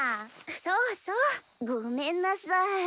そうそう。ごめんなさい！